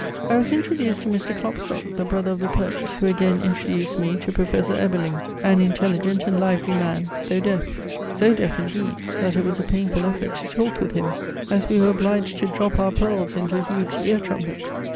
I was introduced to Mr. Klopstock, the brother of the poet, who again introduced me to Professor Ebeling, an intelligent and lively man, though deaf: so deaf, indeed, that it was a painful effort to talk with him, as we were obliged to drop our pearls into a huge ear trumpet.